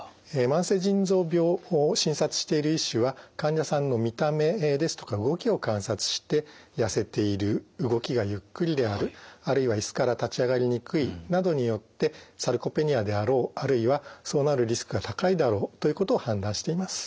慢性腎臓病を診察している医師は患者さんの見た目ですとか動きを観察してやせている動きがゆっくりであるあるいはイスから立ち上がりにくいなどによってサルコペニアであろうあるいはそうなるリスクが高いだろうということを判断しています。